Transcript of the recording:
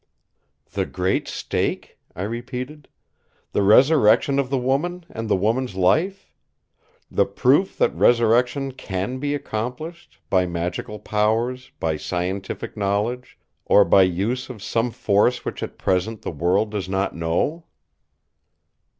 "The great stake?" I repeated; "the resurrection of the woman, and the woman's life? The proof that resurrection can be accomplished; by magical powers; by scientific knowledge; or by use of some force which at present the world does not know?"